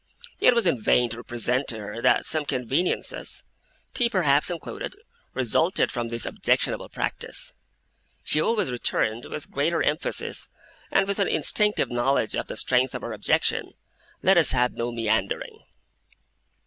It was in vain to represent to her that some conveniences, tea perhaps included, resulted from this objectionable practice. She always returned, with greater emphasis and with an instinctive knowledge of the strength of her objection, 'Let us have no meandering.